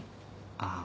ああ。